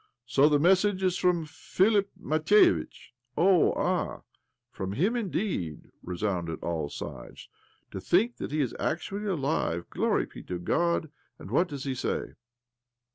" So the message is from Philip Matveitch !" "Oh! Ah I From him, jndeed?" re sounded on all sides. "To think that hfe is actually alive ! Glory be to God I And what does he say?